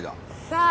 さあ